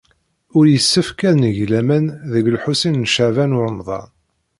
Ur yessefk ad neg laman deg Lḥusin n Caɛban u Ṛemḍan.